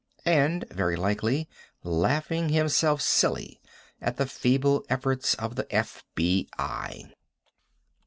And, very likely, laughing himself silly at the feeble efforts of the FBI.